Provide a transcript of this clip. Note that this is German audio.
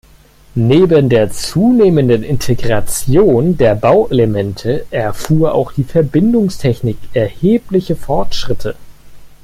Neben der zunehmenden Integration der Bauelemente erfuhr auch die Verbindungstechnik erhebliche Fortschritte.